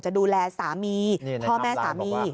จะดูแลสามีพ่อแม่สามี